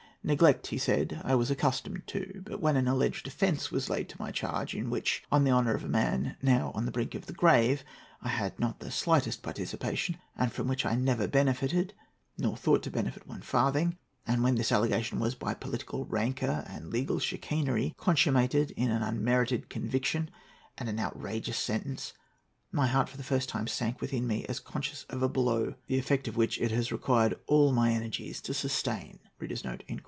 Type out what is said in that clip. "Neglect," he said, "I was accustomed to. But when an alleged offence was laid to my charge, in which, on the honour of a man now on the brink of the grave, I had not the slightest participation, and from which I never benefited, nor thought to benefit one farthing, and when this allegation was, by political rancour and legal chicanery, consummated in an unmerited conviction and an outrageous sentence, my heart for the first time sank within me, as conscious of a blow, the effect of which it has required all my energies to sustain."